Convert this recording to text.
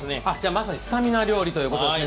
まさにスタミナ料理ということですね。